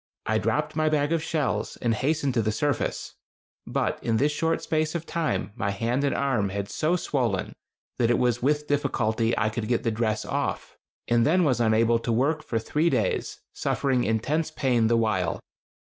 I dropped my bag of shells, and hastened to the surface; but in this short space of time my hand and arm had so swollen that it was with difficulty I could get the dress off, and then was unable to work for three days, suffering intense pain the while.